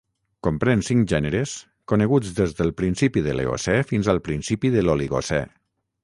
Comprèn cinc gèneres coneguts des del principi de l'Eocè fins al principi de l'Oligocè.